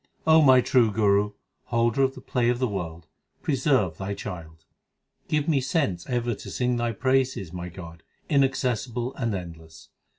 O my True Guru, Holder of the play of the world, preserve Thy child. Give me sense ever to sing Thy praises, my God, in accessible and endless.